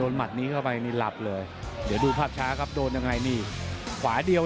โอ้โหเรียบร้อยเลยจบเลย